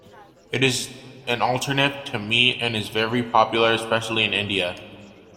It is an alternative to meat and is very popular especially in India.